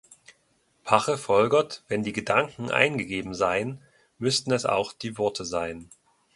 Pache folgert, wenn die Gedanken eingegeben seien, müssten es auch die Worte sein.